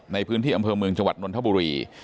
ในพื้นที่อำเภอเมืองจังหวัดนนทบุรี